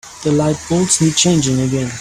The lightbulbs need changing again.